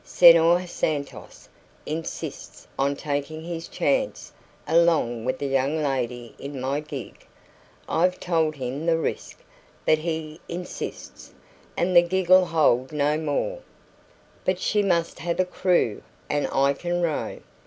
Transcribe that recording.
Senhor Santos insists on taking his chance along with the young lady in my gig. I've told him the risk, but he insists, and the gig'll hold no more." "But she must have a crew, and I can row.